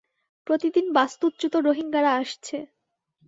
প্রতিদিন বাস্তুচ্যুত রোহিঙ্গারা আসছে।